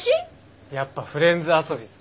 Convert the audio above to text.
やっぱフレンズ遊びっすか？